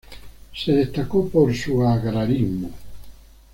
Se destacó por su agrarismo.